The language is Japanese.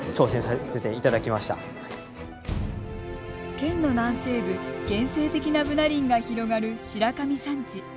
県の南西部原生的なブナ林が広がる白神山地。